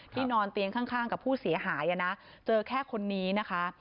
นอนเตียงข้างกับผู้เสียหายนะเจอแค่คนนี้นะคะ